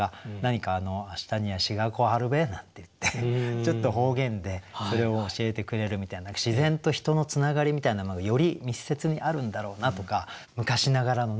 ちょっと方言でそれを教えてくれるみたいな自然と人のつながりみたいなものがより密接にあるんだろうなとか昔ながらのね